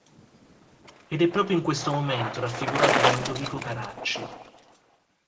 Ed è proprio questo il momento raffigurato da Ludovico Carracci.